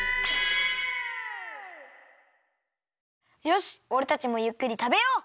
よしおれたちもゆっくりたべよう。